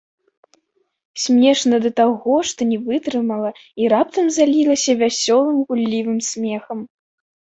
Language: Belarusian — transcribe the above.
Смешна да таго, што не вытрымала і раптам залілася вясёлым, гуллівым смехам.